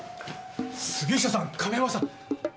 杉下さん亀山さん！